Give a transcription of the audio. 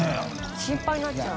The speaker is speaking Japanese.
心配になっちゃう。